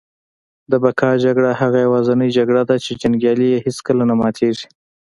د بقا جګړه هغه یوازینۍ جګړه ده چي جنګیالی یې هیڅکله نه ماتیږي